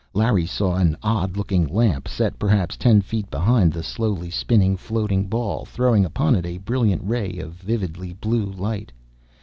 Larry saw an odd looking lamp, set perhaps ten feet behind the slowly spinning, floating ball, throwing upon it a bright ray of vividly blue light.